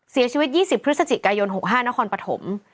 เสียชีวิต๒๐พฤศจิกายน๖๕นครปฐม